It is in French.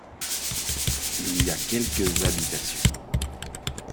Il y a quelques habitations.